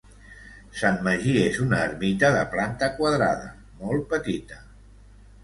Sant Magí és una ermita de planta quadrada, molt petita.